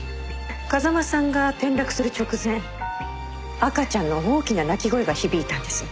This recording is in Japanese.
風間さんが転落する直前赤ちゃんの大きな泣き声が響いたんです。